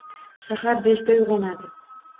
Sahar beshda uyg`onadi